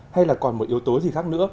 hay là còn một yếu tố gì khác nữa